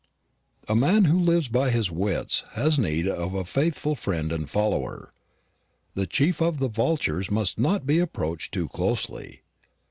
The man who lives by his wits has need of a faithful friend and follower. The chief of the vultures must not be approached too easily.